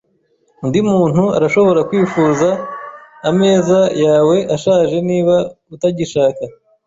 Undi muntu arashobora kwifuza ameza yawe ashaje niba utagishaka.